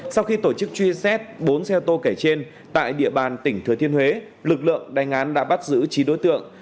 sau khi tổ chức truy xét bốn xe ô tô kể trên tại địa bàn tỉnh thừa thiên huế lực lượng đánh án đã bắt giữ chín đối tượng